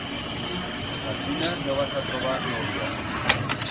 Asina no vas a trobar novia.